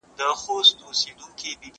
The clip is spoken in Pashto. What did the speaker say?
زه به اوږده موده ځواب ليکلی وم!!